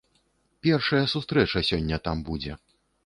Першая сустрэча сёння там будзе.